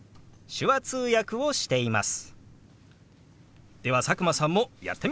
手話通訳をしています。